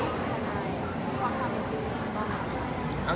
อเรนนี่ว่าที่เต็มประกาศเหมือนกันนะครับ